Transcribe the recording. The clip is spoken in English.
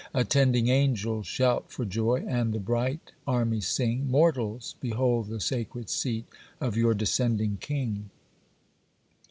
'Attending angels shout for joy, And the bright armies sing,— "Mortals! behold the sacred seat Of your descending King!"